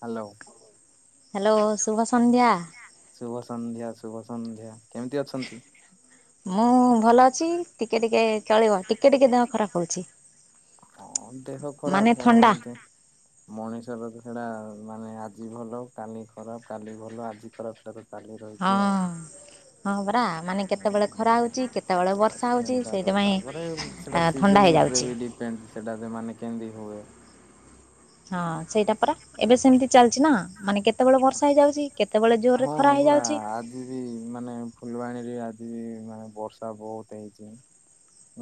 Hello. Hello ଶୁଭ ସନ୍ଧ୍ୟା। ଶୁଭ ସନ୍ଧ୍ୟା ଶୁଭ ସନ୍ଧ୍ୟା କେମିତି ଅଛନ୍ତି? ମୁଁ ଭଲ ଅଛି। ଟିକେ ଟିକେ ଚଳିବ। ଟିକେ ଟିକେ ଦେହ ଖରାପ ହଉଛି। ହଁ ଦେହ ମାନେ ଖରାପ କଣ ଥଣ୍ଡା ଏମିତି? ମଣିଷର ତ ସେଇଟା ମାନେ ଆଜି ଭଲ କାଲି ଖରାପ, କାଲି ଭଲ ଆଜି ଖରାପ ସେଇଟା ତ [unintelligible] ହଁ। ରହିଛି ଆଉ। ହଁ ପରା ମାନେ ହୁଁ କେତେବେଳେ ଖରା ସେଇଟା ହଉଛି କେତେବେଳେ ବର୍ଷା ହଉଛି ତ ସେଇଥିପାଇଁ ତା ପରେ ଉଁ ସେଇଟା ଥଣ୍ଡା ସିଜିନ୍ ଉପରେ ହେଇଯାଉଛି। ବି ଡିପେଣ୍ଡ ସେଇଟା [unintelligible] ମାନେ କେମିତି ହୁଏ। ହଁ ସେଇଟା ପରା। ଏବେ ସେମିତି ଚାଲିଛି ନା। ମାନେ କେତେବେଳେ ବର୍ଷା ହେଇଯାଉଛି, କେତେବେଳେ ଜୋରରେ ହଁ ଖରା ପରା ହେଇଯାଉଛି। ଆଜି ବି ମାନେ ଫୁଲବାଣୀରେ ଆଜି ବି ମାନେ ବର୍ଷା ବହୁତ ହେଇଛି।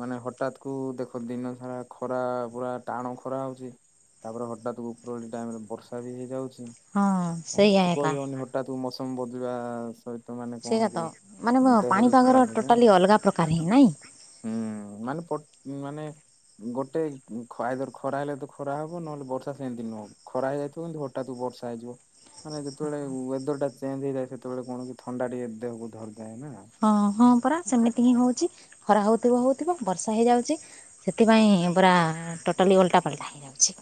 ମାନେ ହଠାତ୍ କୁ ଦେଖ ଦିନ ସାରା ଖରା ପୁରା ଟାଣ ଖରା ହଉଛି ତା ପରେ ହଠାତ୍ କୁ ଉପରଓଳି ଟାଇମରେ ବର୍ଷା ବି ହେଇଯାଉଛି। ହଁ ମାନେ ସେଇଆ କିଛି ଏକା କହିହଉନି [unintelligible] ହଠାତ୍ କୁୁ ମୌସମ୍ ବଦଳିବା ସହିତ ମାନେ ସେଇଆ କଣ ତ କି ମାନେ ଦେହ ବି ପାଣିପାଗର ଖରାପ ହୋଇଯାଏ ନା। [unintelligible] ପ୍ରକାର ହିଁ ନାହିଁ। ହୁଁ ମାନେ ପଟ୍ ମାନେ ଗୋଟେ ଉଁ ଖ ଆଇଦର୍ ଖରା ହେଲେ ତ ଖରା ହବ ନହେଲେ ବର୍ଷା ସେମିତି ନୁହଁ ଖରା ହେଇଯାଇଥିବ କିନ୍ତୁ [unintelligible] ହଠାତ୍ ବର୍ଷା ହେଇଯିବ। ମାନେ ଯେତେବେଳେ ୱେଦରଟା ଚେଞ୍ଜ ହେଇଯାଏ, ସେତେବେଳେ କଣ କି ଥଣ୍ଡା ଟିକେ ଦେହକୁ ଧରିଥାଏ ନା। ହଁ ହଁ ପରା ସେମିତି ହିଁ ହଉଛି। ଖରା ହଉଥିବ ହଉଥିବ ବର୍ଷା ହେଇଯାଉଛି। ସେଥିପାଇଁ ପରା ଟୋଟାଲି ଓଲଟାପାଲଟା ହେଇଯାଉଛି।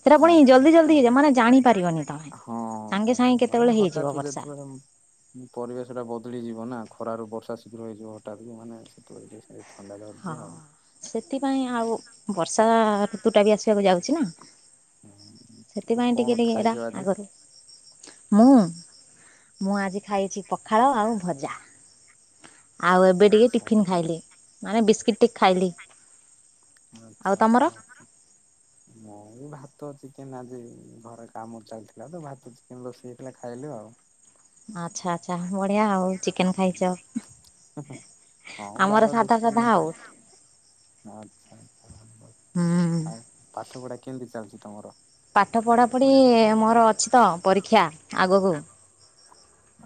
ସେଇଟା ପୁଣି ଜଲ୍ଦି ଆଚ୍ଛା ଜଲ୍ଦି ହେଇଯାଏ। ମାନେ ଜାଣିପାରିବନି ତମେ ହଁ ସାଙ୍ଗେ ସେଟା ସାଙ୍ଗେ କେତେବେଳେ ହେଇଯିବ ବର୍ଷା। ପରିବେଶଟା ବଦଳିଯିବ ନା। ଖରାରୁ ବର୍ଷା ଶୀଘ୍ର ହେଇଯିବ ହଠାତକୁ ମାନେ ସେତେବେଳେ ଟିକେ [unintelligible] ଥଣ୍ଡା ହଁ ଧରିଦିଏ ଆଉ। ସେଥିପାଇଁ ଆଉ ବର୍ଷା ଋ ତୁଟା ବି ଆସିବାକୁ ଯାଉଛି ନା। ଆଉ ସେଥିପାଇଁ ଟିକେ କଣ ଟିକେ ଖାଇଛ ଏଇଟା ଆଜି? ଆଗରୁ ମୁଁ ମୁଁ ଆଜି ଖାଇଛି ପଖାଳ ଆଉ ଭଜା। ଆଉ ଏବେ ଟିକେ ଆଚ୍ଛା ଟିଫିନ୍ ଆଚ୍ଛା ଖାଇଲି, ମାନେ ବିସ୍କିଟ୍ ଟିକେ ଖାଇଲି। ଆଉ ଆଚ୍ଛା ତମର ଆଚ୍ଛା ଆଚ୍ଛା। ମୁଁ ବି ଭାତ, ଚିକେନ ଆଜି ଘରେ କାମ ଚାଲିଥିଲା ତ ଭାତ, ଚିକେନ ରୋଷେଇ ହେଇଥିଲା ଖାଇଲୁ ଆଉ। ଆଚ୍ଛା ଆଚ୍ଛା ବଢିଆ ଆଉ ଚିକେନ୍ ଖାଇଛ। ହୁଁ ହଁ ଆମର ବାର ସାଧା ଦେଖିକି। ସାଧା ଆଉ [unintelligible] ଆଚ୍ଛା ଆଚ୍ଛା ଭଲ। ହୁଁ। ଆଉ ପାଠପଢା କେମିତି ଚାଲିଛି ତମର? ପାଠ ପଢ଼ାପଢ଼ି ମୋର ଅଛି ତ ପରୀକ୍ଷା ଆଗକୁ।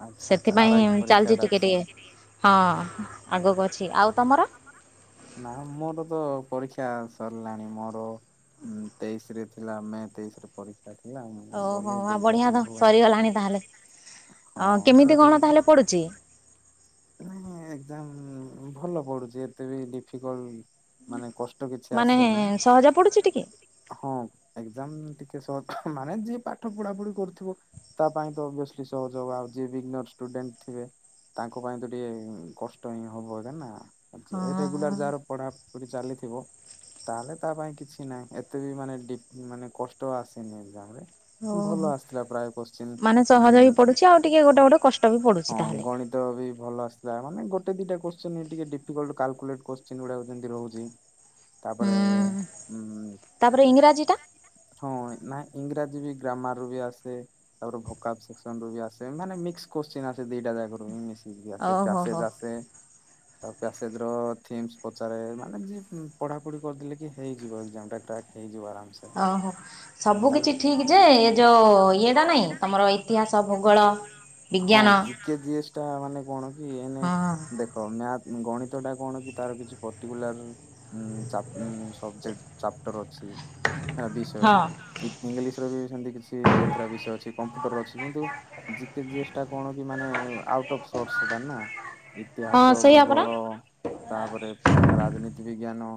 ଆଚ୍ଛା ଆଚ୍ଛା ଆର ଆଇ ସେଥିପାଇଁ ପରୀକ୍ଷା ଚାଲିଛି ଟା ଟିକେ ଅଛି। ଟିକେ। ହଁ ଆଗକୁ ଅଛି। ଆଉ ତମର? ନା ମୋର ତ ପରୀକ୍ଷା ସରିଲାଣି। ମୋର ହୁଁ ତେଇଶରେ ଥିଲା ମେ ତେଇଶରେ ପରୀକ୍ଷା ଥିଲା। ମୁଁ ଓହୋ ଗଲି ଆଉ ଦେଇକି ବଢ଼ିଆ ଆସିଲି ଭୁବନେଶ୍ବ ଅଁ କେମିତି କଣ ତାହେଲେ ପଡୁଛି? ନାଇଁ ଏକ୍ଜାମ ଭଲ ପଡୁଛି ଏତେ ବି ଡିଫିକଲ୍ଟ ମାନେ କଷ୍ଟ କିଛି ମାନେ ଆସେନି। ସହଜ ପଡୁଛି ଟିକେ? ହଁ ଏକ୍ଜାମ ଟିକେ ସହଜ ମାନେ ଯିଏ ପାଠ ପଢାପଢି କରୁଥିବ ତା ପାଇଁ ତ ଅଭିଅସଲି ସହଜ ହବ। ଆଉ ଯିଏ ବିଗ୍ନର ଷ୍ଟୁଡେଣ୍ଟ ଥିବେ ତାଙ୍କ ପାଇଁ ତ ଟିକେ କଷ୍ଟ ହିଁ ହବ ଏଇଟା ନା ହଁ ଏଇ ରେଗୁଲାର ଯାହାର। ପଢ଼ାପଢ଼ି ଚାଲିଥିବ। ତାହେଲେ ତା ପାଇଁ କିଛି ନାହିଁ ଏତେ ବି ମାନେଡି ମାନେ କଷ୍ଟ ଆସିନି ଏକ୍ଜାମ ରେ ଓହୋ ଭଲ ଆସିଥିଲା ପ୍ରାୟ କୋଶ୍ଚିନ୍ ମାନେ ସହଜ ବି ପଡୁଛି ଆଉ ଟିକେ ଗୋଟେ ଗୋଟେ କଷ୍ଟ ବି ପଡୁଛି ହଁ ତାହେଲେ। ଗଣି ତ ବି ଭଲ ଆସିଥିଲା ମାନେ ଗୋଟେ ଦିଟା କୋଶ୍ଚିନ୍ ଟିକେ ଡିଫିକଲ୍ଟ କାଲକୁଲେଟ କୋଶ୍ଚିନ୍ ରହୁଛି। ହ ତାପରେ ହୁଁ। ଇଂରାଜୀ ଟା ହଁ ନା ଇଂରାଜୀ ବି ଗ୍ରାମରରୁ ବି ଆସେ। ତାପରେ ଭୋକବ ସେକ୍ସନରୁ ବି ଆସେ ମାନେ ମିକ୍ସ ଦିଟା ଯାଗା ଓହୋ ହୋ ରୁ। [inaudible] ତା ପ୍ୟାସେଜ ର ଥିମ୍ସ ପଚାରେ ମାନେ ଯ ପଢାପଢି କରିଦେଲେ କି ହେଇଯିବ ଏକ୍ଜାମ ଟା କ୍ରାକ୍। ହେଇଯିବ ଆରାମସେ। ଓହୋ। ସବୁ ତାପରେ କିଛି ଠିକ ଯେ ଏ ଯୋଉ ଇଏଟା ନାଇଁ ତମର ଇତିହାସ ଭୂଗୋଳ। ହଁ ବିଜ୍ଞାନ ଜିକେ ଜ ଏସ୍ ଟା ମାନେ କଣ କି ଏଇନେ? ହଁ। ଦେଖ ମ୍ୟା ଗଣିତଟା କଣ କି ତାର କିଛି ପର୍ଟିକୁଲାର ଚାପ୍, ଉଁ ସବଜେକ୍ଟ ଚାପ୍ଟର ଅଛି ବିଷୟ ହଁ ଇଂଲିଶର ବି ସେମିତି କିଛି କେତେଟା ବିଷୟ ଅଛି କମ୍ପ୍ୟୁଟର ଅଛି କିନ୍ତୁ ଜିକେ ଜିସ୍ ଟା କଣ କି ମାନେ ଆଉଟ ଅଫ୍ ସୋର୍ ସେଇଟା ନା ହଁ ଇତିହାସ ସେଇଆ ପରା ଭୂଗୋଳ। ତାପରେ ରାଜନୀତି ବିଜ୍ଞାନ।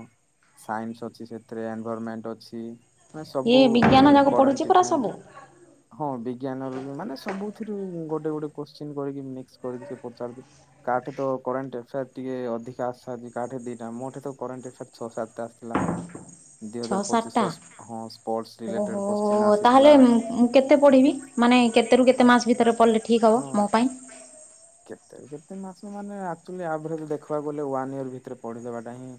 ସାଇନ୍ସ ଅଛି ସେଥିରେ ଏନଭରନମେଣ୍ଟ ଅଛି। ନା ଇଏ ସବୁ ବିଜ୍ଞାନ ପୁଣି ଯାକ କରେ ପଡୁଛି ପରା ସବୁ ଟ୍ରିଟମେଣ୍ଟ। ହଁ ବିଜ୍ଞାନ ର ବି ମାନେ ସବୁଥିରୁ ଗୋଟେ ଗୋଟେ କୋଶ୍ଚିନ୍ କରିକି ମିକ୍ସ କରିକି ସେ ପଚାରନ୍ତି। କାଠେ ତ କରେଣ୍ଟ ଏଫୋୟାର ଟିକେ ଅଧିକ ଆସିସାରଛି କା ଠେ ଦୁଇଟା ମୋଠେ ତ କରେଣ୍ଟ ଏଫେୟାର ଛଅ ସାତଟା ଆସିଥିଲା। ହ ଦି ଛଅ ହଜାର ସାତଟା ପଚିଶର ହଁ ସ୍ପୋର୍ଟସ ରିଲେଟେଡ୍ ଓହୋ କୋଶ୍ଚିନ୍ ଆସିଥିଲା। ତାହେଲେ ମୁଁ କେତେ ପଡ଼ିବି? ମାନେ କେତେରୁ କେତେ ମାସ ଭିତରେ ପଢିଲେ ଠିକ୍ ହେବ ହଁ ମୋ ପାଇଁ। କେତେ ରୁ କେତେ ମାସ ମାନେ ଆକ୍ଚୁଲି ଆଭରେଜ୍ ଦେଖିବାକୁ ଗଲେ ୱାନ୍ ଇୟରର୍ ଭିତରେ ପଢିଦେବାଟା ହିଁ।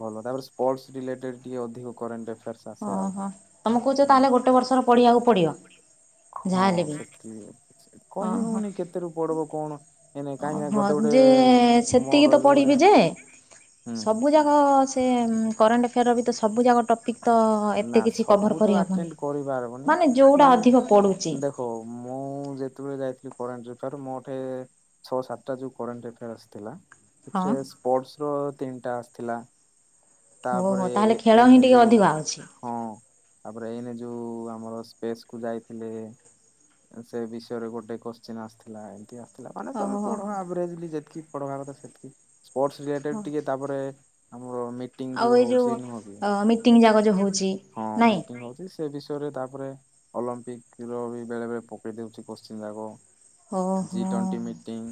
ଭଲ ତାପରେ ସ୍ପୋର୍ଟସ ରିଲେଟେଡ୍ ଟିକେ ଅଧିକ କରେଣ୍ଟ ଆଫେୟାର୍ସ। ଆସେ ଓହୋ ତମେ କହୁଛ ଆଉ। ତାହେଲେ ଗୋଟେ ବର୍ଷର ପଢିବାକୁ ପଡିବ? ହଁ ସେଠି ଅ ହଁ କହି ହଉନି କେତେ ର ପଡିବ କଣ? ଏଇନେ କାହିଁକି ନା ଓହ ଗୋଟେ ଗୋଟେ ଯେ ସେତିକି ମୋର ତ ଏବେ ଗୋଟେ ପଢିବି ଯେ ହୁଁ ସବୁ ଜ ସେ କରେଣ୍ଟ ଏଫେୟାର ର ବି ତ ସବୁ ଯାଗ ଟପ ିକ ତ ନା ଏତେ କିଛି କଭର ସବୁ ତ କରିହବନି ଆଟେଣ୍ଡ କରିପାରିବନି ମାନେ ଯୋଉଟା ମାନେ ଅଧିକ ପଡୁଛି। ଦେଖ ମୁଁ ଯେତେବେଳେ ଯାଇଥିଲି କରେଣ୍ଟ ଏଫେୟାର ମୋଠ ଛଅ ସାତଟା ଯୋଉ କରେଣ୍ଟ ଏଫେୟାର ଆସିଥିଲା। ହଁ। ସେଥିରେ ସ୍ପୋର୍ଟସର ତିନିଟା ଆସିଥିଲା। ଓହୋ ତାପରେ ତାହେଲେ ଖେଳ ହିଁ ଏଇନେ ଟିକେ ଯୋଉ ଅଧିକ ଆଉଛି। ହଁ ତାପରେ ଏଇନେ ଯୋଉ ଆମର ସ୍ପେସ୍ କୁ ଯାଇଥିଲେ। ସେ ବିଷୟରେ ଗୋଟେ କୋଶ୍ଚିନ୍ ଆସିଥିଲା ଏମିତି ଆ ଥିଲା ମାନେ ତମେ ଓହୋ ହୋ ପଢ ଯେତିକି ପଢ କଥା ସେତିକି ସ୍ପୋର୍ଟସ ହୋ ରିଲେଟେଡ୍ ଟିକେ ତାପରେ ଆମର ମି ମିଟିଂ ଆଉ ଯୋଉ ଏଇ ହଉଛି ନୁହ ମିଟିଂ ଯାକ ଯୋଉ ହଉଛି ହଁ ନାଇଁ ମିଟିଂ ହଉଛି। ସେ ବିଷୟରେ ତାପରେ ଅଲମ୍ପିକ ର ବି ବେଳେ ବେଳେ ପକେଇ ଦଉଛି କୋତ୍ସିନ ଯାକ। ଜି ଓହୋ ଟୋଣ୍ଟି ମିଟିଂ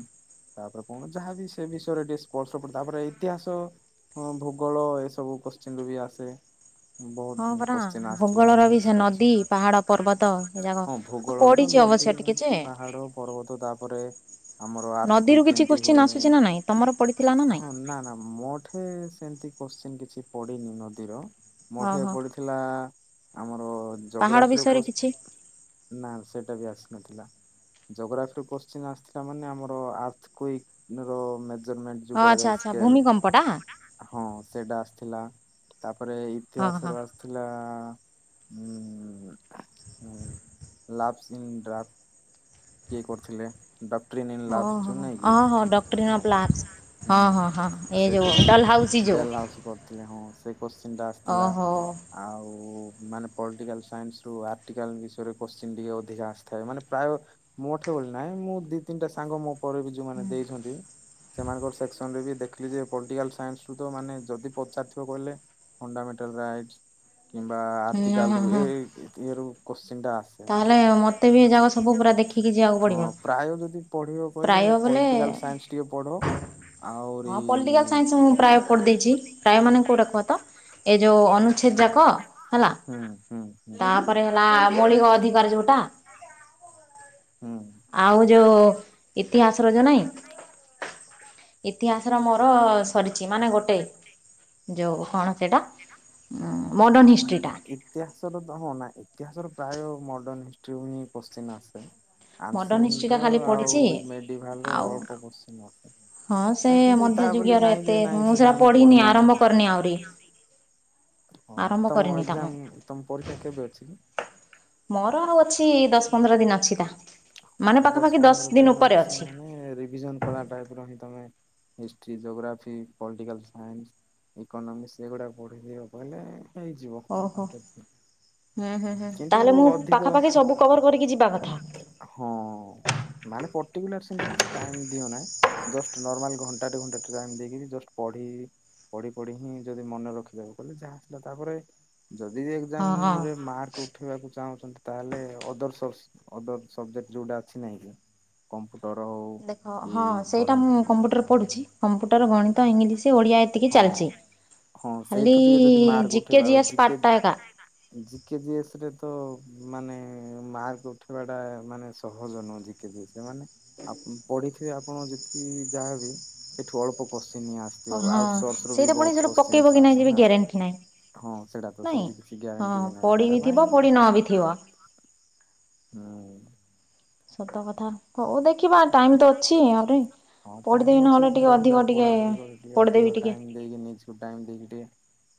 ତାପରେ କଣ ଯାହା ବି ସେ ବିଷୟରେ ଟିକେ ସ୍ପର୍ ତାପରେ ଇତିହାସ ଭୋଗ ଳ ଏ ସବୁ କୋଶ୍ଚିିନ ରୁ ବି ଆସେ। ହଁ ବହୁତ ପରା କୋଶ୍ଚିନ୍ ଆସିଥିଲା ଭୂଗୋଳର ବି ମିକ୍ସ ସେ ନଦୀ ପାହାଡ଼ ପର୍ବତ ଏଯାକ କୋ ହଁ ଭୂଗୋଳର ତ ପଢିଛି ନଦୀ ଅବଶ୍ୟ ଟିକେ ଯେ ପାହାଡ ପର୍ବତ ତାପରେ ଆମର ଆର୍ଥକୁ ନଦୀରୁ କ୍ୱେକ୍ କିଛି କେମିତି କୋଶ୍ଚିନ୍ ଆସୁଛି ନା ନାଇଁ ତମର ପଡିଥିଲା ନା ନାଇଁ? ହୁଏ ହଁ ନା ନା ମୋ ସେମିତି କୋଶ୍ଚିନ୍ କିଛି ପଡିିନି ନଦୀର ମଠେ ଓହୋ ପଡି ଥିଲା ଆମର ପାହାଡ଼ ଜୋଗ୍ରାଫିର ବିଷୟରେ କିଛି ନା ସେଇଟା ବି ଆସିନଥିଲା। ଜୋଗ୍ରାଫିର କୋଶ୍ଚିନ୍ ଆସିଥିଲା ମାନେ ଆମର ଆର୍ଥ୍ କ୍ୱେକ୍ ହଁ ଆଚ୍ଛା ଆଚ୍ଛା ଭୂମିକମ୍ପଟା [unintelligible] ହଁ ସେଇଟା ଆସିଥିଲା ତାପରେ ହଁ ଇତିହାସ ହଁ ର ଆସ୍ ଥିଲା ଲାଭ୍ସ ଇନ୍ ଡ୍ରାଫ୍ଟ କିଏ କରିଥିଲେ? ଡକ୍ଟରୀ ନି ଲାଭ ଓହୋ ଯୋ ନାଇକି ହଁ ହଁ ଡକ୍ଟ୍ରିନ୍ ଅଫ୍ ଆମର ଲାଭସ୍ ହଁ ହୁଁ ହଁ ହଁ ଏ ସେ ଯୋଉ କୋଶ୍ଚିନ୍ ଡଲ୍ ହାଉସି ଯୋଉ ଡେଲ ହାଉସି କରିଥିଲେ ହଁ ସେ କୋଶ୍ଚିନ୍ ଟା ଆସିଥିଲା। ଓହୋ ଆଉ ମାନେ ପଲିଟିକାଲ ସାଇନ୍ସ ରୁ ଆଟିକା ବିଷୟରେ କୋଶ୍ଚିନ୍ ଟିକେ ଅଧିକା ଆସିଥାଏ ମାନେ ପ୍ରାୟ ମୋଠେ ବୋଲି ନାହିଁ ମୁଁ ଦି ତିନିଟା ସାଙ୍ଗ ମୋ ପରେ ବି ଯୋଉମାନେ ଦେଇଛନ୍ତି ସେମାନଙ୍କର ସେକ୍ସନ ରେ ବି ଦେଖିଲି ଯେ ପଲିଟିକାଲ ସାଇନ୍ସ ରୁ ତ ମାନେ ଯଦି ପଚାରିଥିବ କହିଲେ ଫଣ୍ଡାମେଣ୍ଟାଲ ରାଇଟ କିମ୍ବା ହୁଁ ଆର୍ଟିକାଲ ହଁ ରୁ ହଁ ଏ ର କୋଶ୍ଚିନ୍ ଟା ଆସେ। ତାହେଲେ ମତେ ବି ଏ ଯାକ ସବୁ ପୁରା ଦେଖି ହଁ ପ୍ରାୟ ଯଦି ପଢିବ କହିଲେ ପ୍ରାୟ ବୋଲେ ପଲିଟିକାଲ ସାଇନ୍ସ ଟିକେ ପଢ ଆହୁରି ହଁ ପଲିଟିକାଲ ସାଇନ୍ସ ମୁଁ ପ୍ରାୟ ପଢ ଦେଇଛି ପ୍ରାୟ ମାନେ କୋଉଟା କୁହ ତ? ଏ ଯୋଉ ଅନୁଚ୍ଛେଦ ଯାକ ହେଲା ହୁଁ ହୁଁ ହୁଁ ତାପରେ ହେଲା ମୌଳିକ ଅଧିକାର ଯୋଉ ହୁଁ। ଆଉ ଯୋଉ ଇତିହାସର ଯୋଉ ନାଇଁ ଇତିହାସ ର ମୋର ସରିଛି ମାନେ ଗୋଟେ ଯୋଉ କଣ ସେଇଟା ମୋର୍ଡନ ମାନେ ହିଷ୍ଟ୍ରି ଟା ଇତିହାସର ତ ହଁ ଇତିହାସର ପ୍ରାୟ ମୋର୍ଡନ୍ ହିଷ୍ଟ୍ରି ରୁ କ୍ୱେଷ୍ଟିନ୍ ଆସେ। ମଡ଼ର୍ଣ୍ଣ ଆମସେନ ହିଷ୍ଟ୍ରିଟା ର ଖାଲି ଆଉ ପଢ଼ିଛି ମେଡିଭାଲ ର ଆଉ ଅଳ୍ପ କୋଶ୍ଚିନ୍ ଆସେ। ହଁ ସେ ନାଇ କିନ୍ତୁ ତା ବୋଲି ମଧ୍ୟଯୁଗୀୟର ନାଇଁ ଏତେ ଯେ ନାଇଁ ମୁଁ ସେଟା ଆମେ ପଢ଼ିନି ପଢବା ଆରମ୍ଭ ନାହିଁ। କରିନି ଆହୁରି ହଁ ଆରମ୍ଭ ତମ କରିନି ତାକୁ ଏକ୍ସାମ ତମ ପରୀକ୍ଷା କେବେ ଅଛି କି? ମୋର ଆଉ ଅଛି ଦଶ ପନ୍ଦର ଦିନ ଅଛି ତା ହଁ ଦଶ ପନ୍ଦର ଦିନ ଅଛି ମାନେ ରିଭିଜନ କଲା ଟ ଯୋଉଟା କି ତମେ history geography political science economics ଏଗୁଡା ପଢ଼ିଦିଅ କହିଲେ ହେଇଯିବ। ଓହୋ ହୁଁ ହୁଁ ହୁଁ କିନ୍ତୁ ତାହେଲେ ମୁଁ ଅଧିକ ପାଖାପାଖି ସବୁ କଭର କରିକି ଯିବା କଥା। ହଁ ମାନେ ପଟିକୁଲାର ସେମତି କିଛି ଟାଇମ ଦିଅ ନାହିଁ। ଜଷ୍ଟ ନର୍ମାଲ ଘଣ୍ଟାଟେ ଘଣ୍ଟାଟେ ଟାଇ ଦେଇକି ଜଷ୍ଟ ପଢି ପଢି ପଢି ହିଁ ଯଦି ମନେ ରଖିଦବ କହିଲେ ଯାହା ଆସିଲା ତାପରେ ଯଦି ହଁ ଏକ୍ସାମ୍ ହଁ ମାର୍କ ଉଠେଇବାକୁ ଚାହୁଁଛନ୍ତି ତାହେଲେ ଅଦର ଅଦର ସବଜେକ୍ଟ ଯୋଉଟା ଅଛି ନାହିଁ କି କମ୍ପୁଟର ହଉ ଦେଖ କି ହଁ ସେଇଟା ମୁଁ କରେଣ୍ଟ କମ୍ପ୍ୟୁଟର ପଢ଼ୁଛି କମ୍ପ୍ୟୁଟର ଗଣିତ ଇଂଲିଶ ଓଡ଼ିଆ ଏତିକି ହଁ ଚାଲିଛି ହଁ ଖାଲି ସେଇଠୁ ଟିକେ ଯଦି ଜିକେ ଜିଏସ୍ ପାର୍ଟଟା ଏକା ଜିକେଜିି ଜିଏସ ରେ ତ ମାନେ ମାର୍କ ଉଠେଇବାଟା ମାନେ ସହଜ ନୁହେଁ ଜିକେ ଜିଏସ୍ ଏମାନେ ଆପ ପଢିଥିବେ ଆପଣ ଯେତିକି ଯାହାବି ସେଠୁ ଅଳ୍ପ। ଚିନି ଓ ଆସିଥିବା ହଁ ଆଉଟସୋର୍ସ ରୁ ବି ସେଇଟା ପୁଣି ବହୁତ ସେଇଠୁ କୋଶ୍ଚିନ୍ ପକେଇବ କି ନାହିଁ ଆସେ ଯେବେ ନା। ଗ୍ୟାରେଣ୍ଟି ନାହିଁ ହଁ ସେଇଟା ତ ନାଇଁ। ସେମିତି କିଛି ହଁ ଗ୍ୟାରେଣ୍ଟି ବି ନାହିଁ ପଢ଼ି ସେଟା ଥିବ ପାଇଁ। ପଢ଼ି ନ ବି ଥିବ। ହୁଁ। ସତ କଥା। ହଉ ଦେଖିବା ଟାଇମ ତ ଅଛି ଆହୁରି ହଁ ପଢିଦେବି ଟାଇମ ଅଛି ନହେଲେ ଟିକେ ଜୋର ଅଧିକ ଜାର ଟିକେ ପଢାପଢି କରି ଟିକେ ଅଧିକ ପଢିଦେବି ଟିକେ। ଟାଇମ ଦେଇକି ନିଜକୁ ଟାଇମ ଦେଇକି ଟିକେ।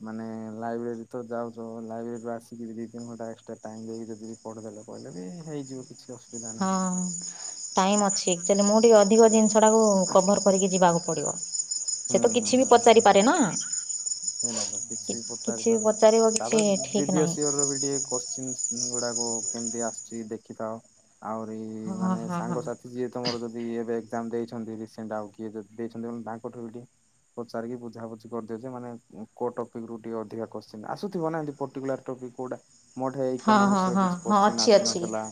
ମାନେ ଲାଇବ୍ରେରୀ ତ ଯାଉଛ ଲାଇବ୍ରେରୀରୁ ଆସିକି ବି ଦି ତିନି ଘଣ୍ଟା ଏସଟ୍ରା ଟାଇମ ଦେଇକି ଯଦି। ପଢି ଦେଲେ କହିଲେ ବି ହେଇଯିବ କିଛି ଅସୁ ହଁ ଟାଇମ୍ ଅଛି ଏକ୍ଚୁଲି ମୁଁ ଟିକେ ଅଧିକ ଜିନିଷ ଟାକୁ। କଭର୍ କରିକି ଯିବାକୁ ପଡ଼ିବ ସେ ହୁଁ ତ କିଛି ବି ପଚାରିପାରେ ନା। ଟିକେ ଲାଗ କିଛି ବି କିଛି ବି ପଚାରିପାର ପଚାରିବ କିଛି ତାପରେ ଠିକ୍ ନାହିଁ ପ୍ରିଭିୟସ ଇଅର ବି ଟିକେ କୋଶଚିନ୍ସ। ଗୁଡାକୁ କେମିତି ଆସୁଛି ଦେଖିଥାଅ ଆହୁରି ହଁ ମାନେ ହଁ ହଁ ସାଙ୍ଗସାଥି ଯିଏ। ତମର ଯଦି ଏବେ ଏକ୍ଜାମ ଦେଇଛନ୍ତି ରିସେଣ୍ଟ ଆଉ କିଏ ଯଦି ଦେଇଛନ୍ତି ତମେ ତାଙ୍କଠୁ ବି ଟିକେ। ପଚାରିକି ବୁଝାବୁଝି କରିଦିଅ ଯେ ମାନେ କୋଉ ଟପିକ୍ରୁ ଟିକେ ଅଧିକା କୋଶ୍ଚିନ୍ ଆସୁଥିବ ନା ଏମିତି ପର୍ଟିକୁଲାର ଟପିକ୍। କୋଉଟା। ମୋଠେ ହଁ ହଁ ଇକୋନୋମିକ୍ସ ର ହଁ କିଛି ହଁ କୋଶ୍ଚିନ୍ ଅଛି ଅଛି ଆସିନଥିଲା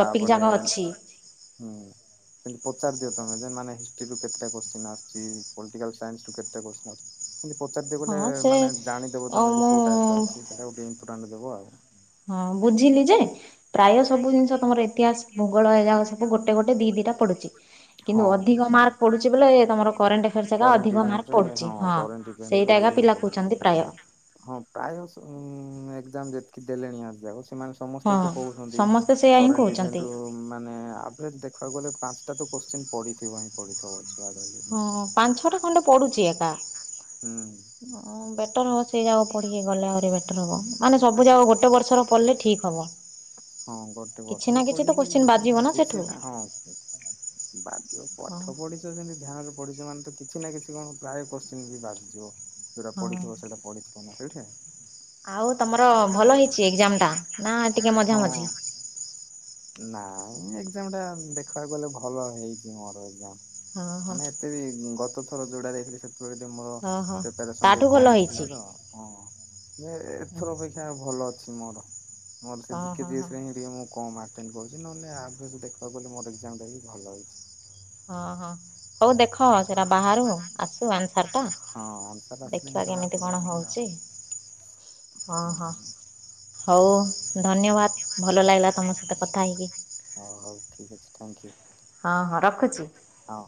ଟପିକ୍ ଯାକ ଅଛି ହୁଁ ସେମତି ପଚାରି ଦିଅ ତମ ଯେ ମାନେ ହିଷ୍ଟ୍ରିରୁ କେତେଟା କୋଶ୍ଚିନ୍ ଆସ ପଲିଟିକାଲ ସାଇନ୍ସ ରୁ କେତୋଟା କୋଶ୍ଚିନ୍ ଆସ ସେମିତି ପଚରିଦିଅ ବୋଇଲେ ହଁ ସେ ମାନେ ଜାଣିଦେବ ଆଉ ତମେ ଯେ କୋଉ ଟାଇପ୍ ମୁଁ ଆସୁଛି ସେଇଟା କୁ ଟିକେ ଇମ୍ପୋର୍ଟାଣ୍ଟ ଦେବ ଆଉ। ହଁ ବୁଝିଲି ଯେ ପ୍ରାୟ ସବୁ ଜିନିଷ ତମର ଇତିହାସ ଭୂଗୋଳ ଏଜାକ ସ ସବୁ ଗୋଟେ ଗୋଟ ଦି ଦିଟା ପଡୁଛି। ହଁ। କିନ୍ତୁ ଅଧିକ ମାର୍କ ପଡୁଛି ବୋଲେ ତମର କରେଣ୍ଟ ଏଫେୟାରସ୍ ଏକା କରେଣ୍ଟ ଅଧିକ ମାର୍କ ଇଭେଣ୍ଟରେ ପଡୁଛି ହଁ। କରେଣ୍ଟ ଇଭେଣ୍ଟରେ ସେଇଟା ଏକା ଅଧିକ ପିଲା ପଡୁଛି। କହୁଛନ୍ତି ପ୍ରାୟ। ହଁ ପ୍ରାୟ ସ୍ ଉଁ ଏକ୍ଜାମ ଯେତିକି ଦେଲେଣି ଆଜି ଯାକ। ସେମାନେ ସମସ୍ତେ ତ କହୁଛନ୍ତି ସମସ୍ତେ ସେଇଆ ହିଁ କରେଣ୍ଟ କହୁଛନ୍ତି। ଇଭେଣ୍ଟ ରୁ। ମାନେ ଆଭରେଜ ଦେଖିବାକୁ ଗଲେ ପାଞ୍ଚଟା ତ କୋଶ୍ଚିନ୍ ପଢିଥିବ ହିଁ ପଢିଥିବ। ହଁ ପାଞ୍ଚ ଛଅଟା ଖଣ୍ଡେ ପଡୁଛି ଏକା। ହଁ ବେଟର ହବ ସେଇରାକ ପଢିକି ଗଲେ ଆହୁରି ବି। ବେଟର ମାନେ ସବୁଯାକ ଗୋଟେ ବର୍ଷର ପଢ଼ିଲେ ଠିକ୍ ହବ। ହଁ ଗୋଟେ କିଛି ବର୍ଷ ନା ବି କିଛି ତ କୋଶ୍ଚିନ୍ ପଢିକି ବାଜିବ ନା ସେଠୁ କିଛି ନାହିଁ ହଁ। ବାଜିବ ପାଠ ପଢିଛି। ତ ଯେମିତି ଧ୍ୟାନରେ ପଢିଛ ମାନେ ତ କିଛି ନା କିଛି କଣ ପ୍ରାୟ କୋଶ୍ଚିନ ବି ବାଜିଯିବ ଯୋଉଟା ହଁ। ପଢିଥିବ ସେଇଟା। [unintelligible] ଆଉ ତମର ଭଲ ହେଇଛି ଏକ୍ଜାମଟା ନା ଟିକେ ହଁ ମଝିଆମଝି। ନାଇଁ ଏକ୍ଜାମ ଟା ଦେଖିବାକୁ ଗଲେ ଭଲ ହେଇଛି ମୋର ଏକ୍ଜାମ। ହଁ ହଁ। ମାନେ ଏତେ ବି ଗତ ଥର ଯୋଉଟା ଦେଇଥିଲି ସେ ତୁ ଏଇଠି ମୋର ହଁ ହଁ ପ୍ରିପେଆରେସନ ତାଠୁ ଟିକେ ଭଲ କମ ଥିଲା ହେଇଛି ତ ହଁ ନାଇଁ ହୁଁ ଏଥର ଅପେକ୍ଷା। ଯା ହଉ ଭଲ ଅଛି ମୋର ମୋର ସେ ହଁ ଜିକେ ହଁ ଜି ହଁ ଏସ୍ ହିଁ ଟିକେ ମୁଁ କମମାର୍କ। ଆଟେଣ୍ଡ କରିଚି ନହେଲେ ଆଭ୍ରେଜ୍ ଦେଖିବାକୁ ଗଲେ ମୋର ଏଗ୍ଜାମ ଟା ବି ଭଲ ହେଇଛି ହଁ ହଁ ହଉ ଦେଖ ସେଇଟା ବାହାରୁ ଆସୁ ଆନ୍ସରର୍ଟା। ହଁ ଆନ୍ସର ଆସିଲେ ହିଁ ଦେଖିବା ଜଣା କେମିତି ପଡିବ କଣ ହଉଛି ହଁ ହଁ। ଆଉ। ହଉ ଧନ୍ୟବାଦ ଭଲ ଲାଗିଲା ତମ ସହିତ କଥା ହେଇକି। ହଉ ହଉ ଠିକ୍ ଅଛି ଥ୍ୟାଙ୍କୟୁ। ହଁ‌ ହଁ ରଖୁଛି। ହଁ।